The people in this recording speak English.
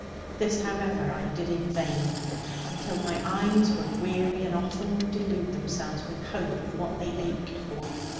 This, however, I did in vain, until my eyes were weary and often would delude themselves with hope of what they ached for.